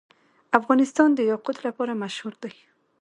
افغانستان د یاقوت لپاره مشهور دی.